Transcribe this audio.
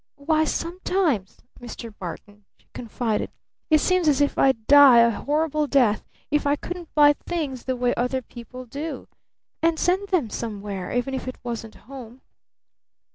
Why sometimes, Mr. Barton," she confided, "it seems as if I'd die a horrible death if I couldn't buy things the way other people do and send them somewhere even if it wasn't 'home'!